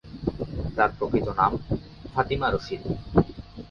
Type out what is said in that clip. তার প্রকৃত নাম ফাতিমা রশিদ।